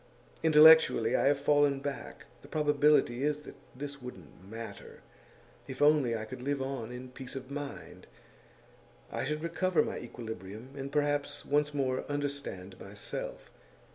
Intellectually, I have fallen back. The probability is that this wouldn't matter, if only I could live on in peace of mind; I should recover my equilibrium, and perhaps once more understand myself.